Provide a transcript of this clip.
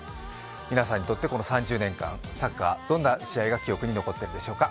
皆さんにとってこの３０年間、サッカー、どんな記憶が残っているでしょうか。